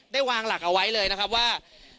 วางหลักเอาไว้เลยนะครับว่า